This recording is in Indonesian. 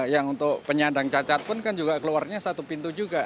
yang untuk penyandang cacat pun kan juga keluarnya satu pintu juga